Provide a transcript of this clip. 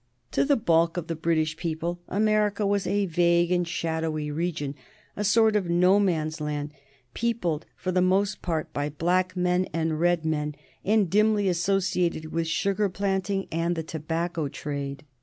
To the bulk of the British people America was a vague and shadowy region, a sort of no man's land, peopled for the most part with black men and red men, and dimly associated with sugar planting and the tobacco trade.